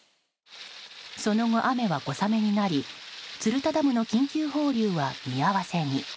その後、雨は小雨になり鶴田ダムの緊急放流は見合わせに。